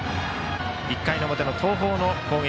１回の表の東邦の攻撃。